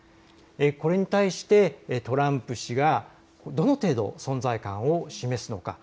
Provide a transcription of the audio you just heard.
これに対してトランプ氏がどの程度、存在感を示すのか。